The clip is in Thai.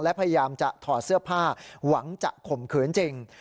และพยายามจะถอดเสื้อผ้าหวังจะข่มขืนจริง